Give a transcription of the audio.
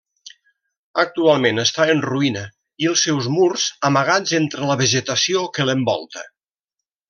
Actualment està en ruïna i els seus murs amagats entre la vegetació que l'envolta.